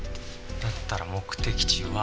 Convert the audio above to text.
だったら目的地は。